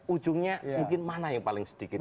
ujungnya mungkin mana yang paling sedikit